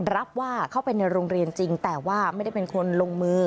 รับว่าเข้าไปในโรงเรียนจริงแต่ว่าไม่ได้เป็นคนลงมือ